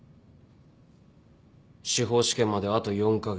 司法試験まであと４カ月。